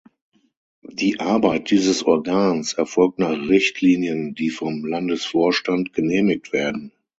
Die Arbeit dieses Organs erfolgt nach Richtlinien, die vom Landesvorstand genehmigt werden.